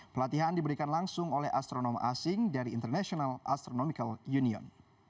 pelatihan diberikan langsung oleh astronom asing dari international astronomical union